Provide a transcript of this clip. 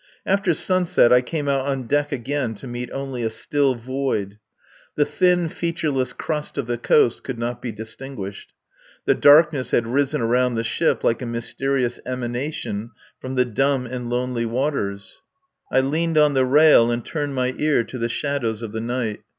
After sunset I came out on deck again to meet only a still void. The thin, featureless crust of the coast could not be distinguished. The darkness had risen around the ship like a mysterious emanation from the dumb and lonely waters. I leaned on the rail and turned my ear to the shadows of the night.